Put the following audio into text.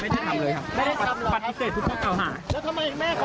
เราได้ดังใจเหมือนครับหรือว่าเราได้ทำ